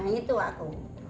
nah itu aku